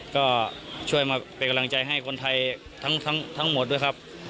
ก็ช่วยมาเป็นกำลังใจให้คนไทยทั้งหมดด้วยครับ